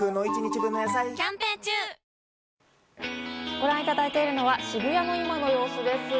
ご覧いただいているのは渋谷の今の様子です。